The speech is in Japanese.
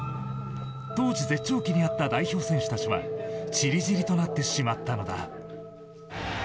当時、絶頂期にあった代表選手たちは散り散りとなってしまったのだ。